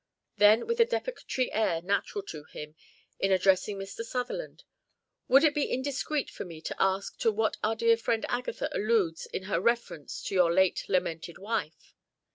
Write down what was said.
Then with a deprecatory air natural to him in addressing Mr. Sutherland, "Would it be indiscreet for me to ask to what our dear friend Agatha alludes in her reference to your late lamented wife?"